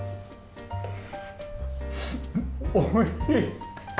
おいしい。